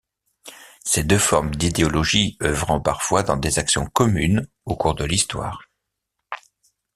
Ces deux formes d'idéologie œuvrant parfois dans des actions communes au cours de l’histoire.